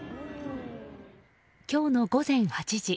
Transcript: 今日の午前８時。